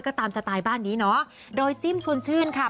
ก็ตามสไตล์บ้านนี้เนาะโดยจิ้มชวนชื่นค่ะ